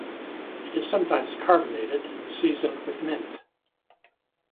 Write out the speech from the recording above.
It is sometimes carbonated and seasoned with mint.